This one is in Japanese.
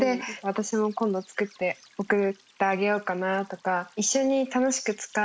私も今度つくって送ってあげようかなとか。